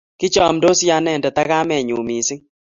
Kichamndosi anendet ak kamennyu missing'